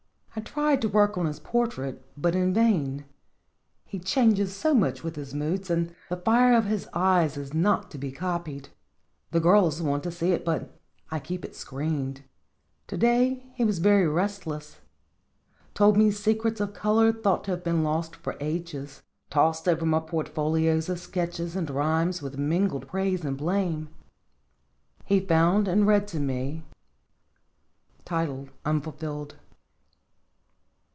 I tried to work on his portrait, but in vain. He changes so much with his moods, and the fire of his eyes is not to be copied. The girls want to see it, but I keep it screened. To day he was very restless ; told me secrets of color thought to have been lost for ages; tossed over my portfolios of sketches and rhymes with mingled praise and blame. He found and read to me :" UNFULFILLED.